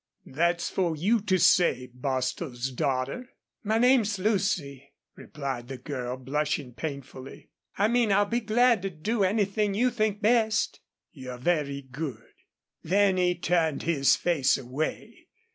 "That's for you to say, Bostil's daughter." "My name's Lucy," replied the girl, blushing painfully, "I mean I'll be glad to do anything you think best." "You're very good." Then he turned his face away.